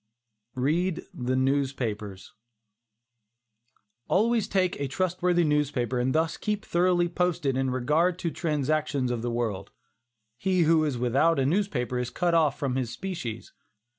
READ THE NEWSPAPERS. Always take a trustworthy newspaper and thus keep thoroughly posted in regard to the transactions of the world. He who is without a newspaper is cut off from his species.